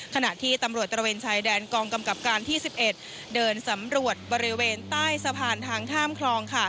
ขณะที่ตำรวจตระเวนชายแดนกองกำกับการที่๑๑เดินสำรวจบริเวณใต้สะพานทางข้ามคลอง